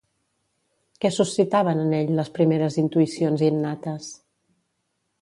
Què suscitaven en ell les primeres intuïcions innates?